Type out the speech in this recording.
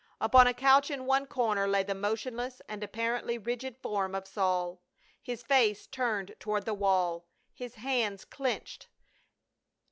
Upon a couch in one corner lay the motionless and apparently rigid form of Saul, his face turned toward the wall, his hands clenched.